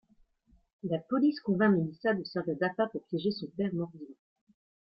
La police convainc Melisa de servir d'appât pour piéger son père mort-vivant.